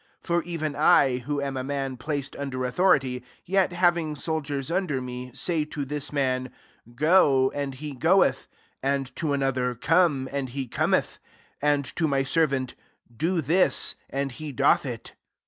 8 For even I, who am a man placed under autliority, yet having sol diers under me, say to this man, «Go,* and he goeth; and to another, *Come,* and he cometh; and to my servant, * Do this,* and he doth iV."